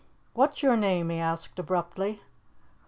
"What's your name?" he asked abruptly.